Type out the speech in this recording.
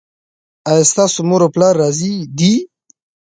ایا ستاسو مور او پلار راضي دي؟